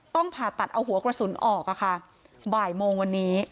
ต้องผ่าตัดเอาหัวกระสุนออกอ่ะค่ะบ่ายโมงวันนี้